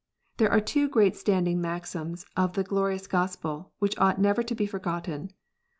There are two great standing maxims of the glorious Gospel, which ought never to be forgotten.